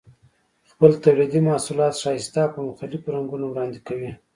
خپل تولیدي محصولات ښایسته او په مختلفو رنګونو وړاندې کوي.